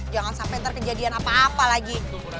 jangan sampai ntar kejadian apa apa lagi